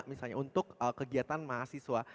misalnya untuk kegiatan mahasiswa